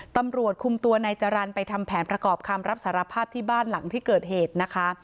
ตำรวจคุมตัวนายจรรย์ไปทำแผนประกอบคำรับสารภาพที่บ้านหลังที่เกิดเหตุนะคะ